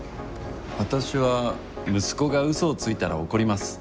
わたしは息子が嘘をついたら怒ります。